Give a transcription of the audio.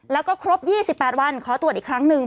แล้วก็ครบ๒๘วันขอตรวจอีกครั้งหนึ่ง